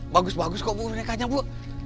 bagus bagus kok bu nekatnya bu